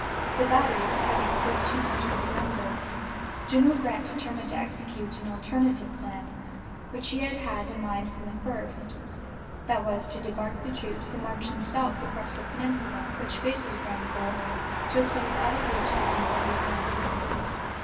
The batteries having proved too much for the gunboats, General Grant determined to execute an alternative plan which he had had in mind from the first; that was, to debark the troops and march them south across the peninsula which faces Grand Gulf to a place out of reach of the Confederate guns.